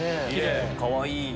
かわいい。